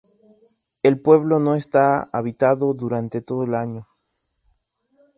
El pueblo no está habitado durante todo el año.